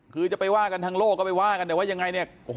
คือจะไปว่ากันทั้งโลกก็ไปว่ากันแต่ว่ายังไงเนี่ย